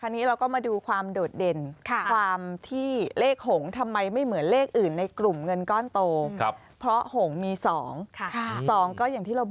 นี่เต็มเลยมีแต่เลขอีกทั้ง๗ลับ